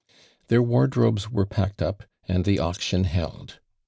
Their wardrobes were packed up and the auctionheld.